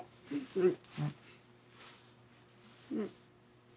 うん。